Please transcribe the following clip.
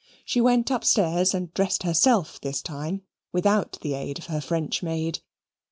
She went upstairs and dressed herself this time without the aid of her French maid.